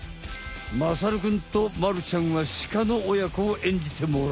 まさるくんとまるちゃんはシカの親子をえんじてもらおう。